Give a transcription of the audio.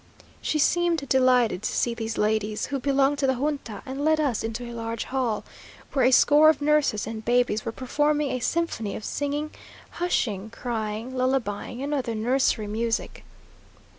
She seemed delighted to see these ladies, who belong to the Junta, and led us into a large hall where a score of nurses and babies were performing a symphony of singing, hushing, crying, lullabying, and other nursery music.